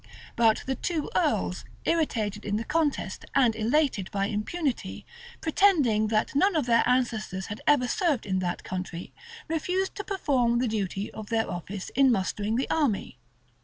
But the two earls, irritated in the contest and elated by impunity, pretending that none of their ancestors had ever served in that country, refused to perform the duty of their office in mustering the army.